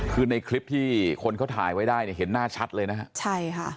คือในคลิปที่คนเขาถ่ายไว้ได้เนี่ยเห็นหน้าชัดเลยนะฮะใช่ค่ะ